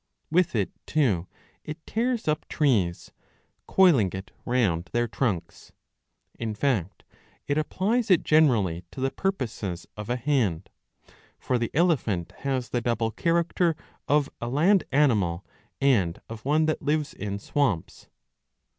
With it, too, it tears up trees,^ coiling it round their trunks. In fact it applies it generally to the purposes of a hand. For the elephant has the double character of a land animal, and of one that lives in swamps.